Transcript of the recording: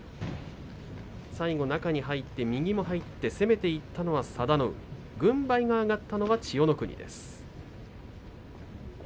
最後、中に入って攻めていったのは佐田の海軍配が上がったのは千代の国です。